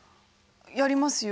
やりますよ。